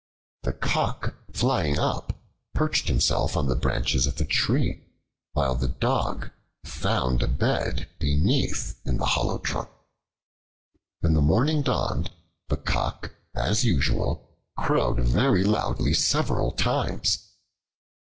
The Cock flying up, perched himself on the branches of a tree, while the Dog found a bed beneath in the hollow trunk. When the morning dawned, the Cock, as usual, crowed very loudly several times.